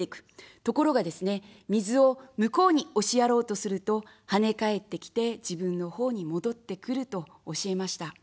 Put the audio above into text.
ところがですね、水を向こうに押しやろうとすると、はね返ってきて、自分の方に戻ってくると教えました。